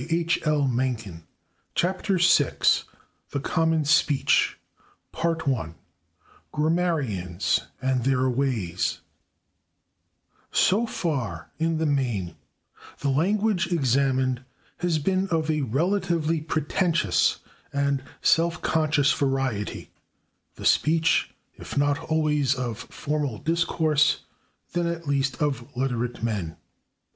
6, June, 1915. [Pg177] VI The Common Speech § 1 /Grammarians and Their Ways/ So far, in the main, the language examined has been of a relatively pretentious and self conscious variety the speech, if not always of formal discourse, then at least of literate men.